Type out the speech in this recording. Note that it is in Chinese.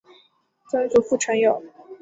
曾祖父陈友。